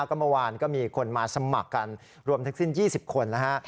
ก็เมื่อวานก็มีคนมาสมัครกันรวมทั้งสิ้น๒๐คนนะฮะ